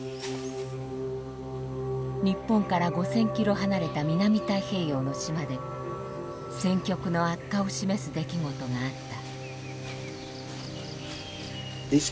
日本から５，０００キロ離れた南太平洋の島で戦局の悪化を示す出来事があった。